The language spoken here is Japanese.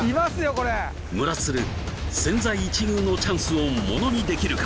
これ村つる千載一遇のチャンスをモノにできるか？